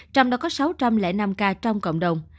trong đó có sáu trăm linh năm ca trong cộng đồng